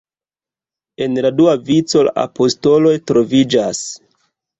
En la dua vico la apostoloj troviĝas.